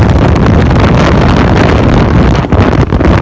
แต่ว่าเมืองนี้ก็ไม่เหมือนกับเมืองอื่น